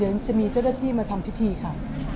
เดี๋ยวจะมีเจ้าหน้าที่มาทำพิธีค่ะ